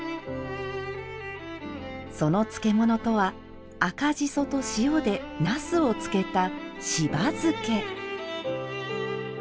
その漬物とは、赤ジソと塩でなすを漬けたしば漬け。